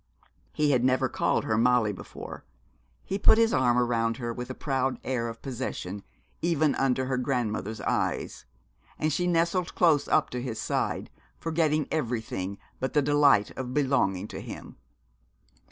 He had never called her Molly before. He put his arm round her with a proud air of possession, even under her grandmother's eyes. And she nestled close up to his side, forgetting everything but the delight of belonging to him.